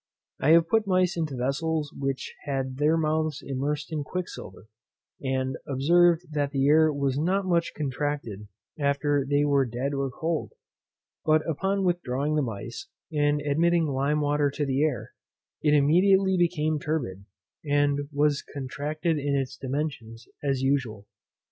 I have put mice into vessels which had their mouths immersed in quicksilver, and observed that the air was not much contracted after they were dead or cold; but upon withdrawing the mice, and admitting lime water to the air, it immediately became turbid, and was contracted in its dimensions as usual.